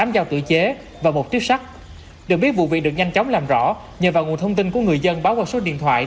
tám giao tự chế và một chiếc sắt được biết vụ việc được nhanh chóng làm rõ nhờ vào nguồn thông tin của người dân báo qua số điện thoại